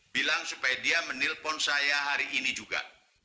bilang supaya dia menelpon saya hari ini juga